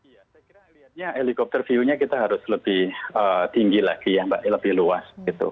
ya saya kira lihatnya helicopter view nya kita harus lebih tinggi lagi lebih luas